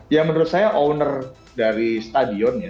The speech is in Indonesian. ya menurut saya owner dari stadion ya